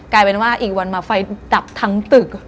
กลายเป็นว่าอีกวันมาไฟดับทั้งตึก